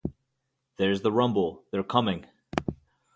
There's the rumble, they're coming!